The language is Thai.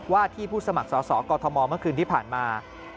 ที่ผู้สมัครสอสอกอทมเมื่อคืนที่ผ่านมา